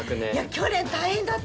去年大変だったんです。